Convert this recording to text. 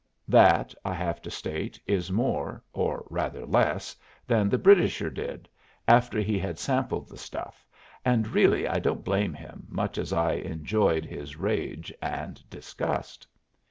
That, I have to state, is more or rather less than the Britisher did, after he had sampled the stuff; and really I don't blame him, much as I enjoyed his rage and disgust.